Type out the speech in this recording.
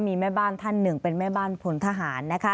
มีแม่บ้านท่านหนึ่งเป็นแม่บ้านพลทหารนะคะ